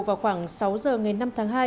vào khoảng sáu h ngày năm tháng hai